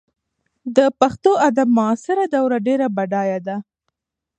د پښتو ادب معاصره دوره ډېره بډایه ده.